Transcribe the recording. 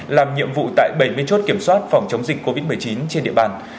làm nhiệm vụ tại bảy mươi chốt kiểm soát phòng chống dịch covid một mươi chín trên địa bàn